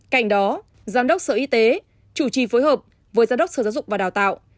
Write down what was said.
cạnh đó giám đốc sở y tế chủ trì phối hợp với giám đốc sở giáo dục và đào tạo